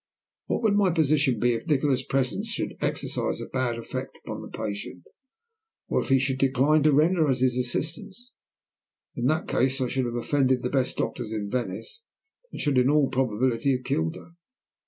What would my position be if Nikola's presence should exercise a bad effect upon the patient, or if he should decline to render us assistance? In that case I should have offended the best doctors in Venice, and should in all probability have killed her.